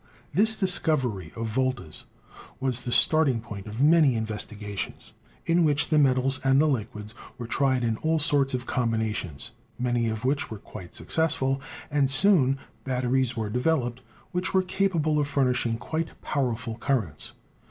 This discovery of Volta's was the starting point of many investigations, in which the metals and the liquids were tried in all sorts of combinations, many of which were quite successful, and soon batteries were developed which were capable of furnishing quite powerful currents.